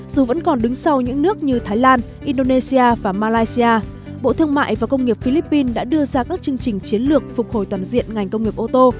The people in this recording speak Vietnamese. dù vẫn còn đứng sau những nước như thái lan indonesia và malaysia bộ thương mại và công nghiệp philippines đã đưa ra các chương trình chiến lược phục hồi toàn diện ngành công nghiệp ô tô